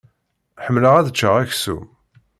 Ḥemmleɣ ad ččeɣ aksum.